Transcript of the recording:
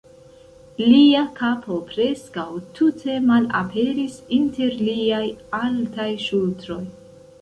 Lia kapo preskaŭ tute malaperis inter liaj altaj ŝultroj.